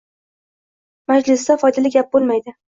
Majlisdafoydali gap bo`lmaydi